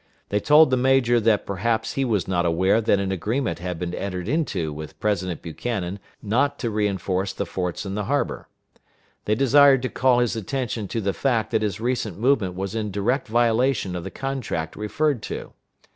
They told the major that perhaps he was not aware that an agreement had been entered into with President Buchanan not to re enforce the forts in the harbor. They desired to call his attention to the fact that his recent movement was in direct violation of the contract referred to.